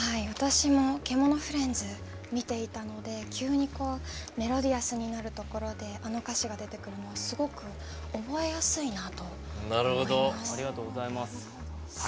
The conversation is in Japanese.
私も「けものフレンズ」見ていたので急にメロディアスになるところであの歌詞が出てくるのはすごく覚えやすいなと思います。